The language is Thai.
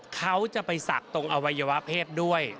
เขาจะไปศักดิ์ตรงอวัยวะเพศด้วย